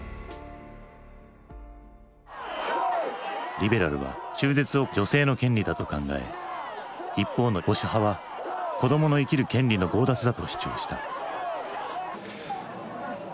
リベラルは中絶を女性の権利だと考え一方の保守派は子どもの生きる権利の強奪だと主張した。